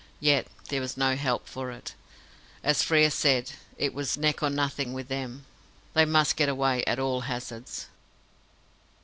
Yet there was no help for it. As Frere said, it was "neck or nothing with them". They must get away at all hazards.